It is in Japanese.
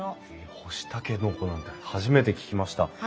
干しタケノコなんて初めて聞きました。